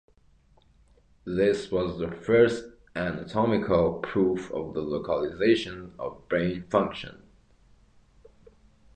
This was the first anatomical proof of the localization of brain function.